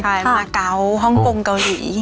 ใช่มาเกาะฮ่องกงเกาหลี